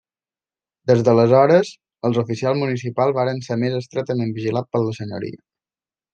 Des d'aleshores, els oficials municipals varen ser més estretament vigilats per la senyoria.